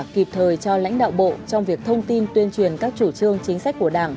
kịp thời cho lãnh đạo bộ trong việc thông tin tuyên truyền các chủ trương chính sách của đảng